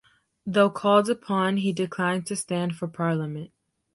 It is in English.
Though called upon, he declined to stand for Parliament.